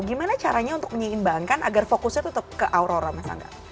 gimana caranya untuk menyeimbangkan agar fokusnya tetap ke aurora mas angga